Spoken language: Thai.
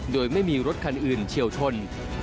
โดยไม่มีรถคันอื่นเฉียวชน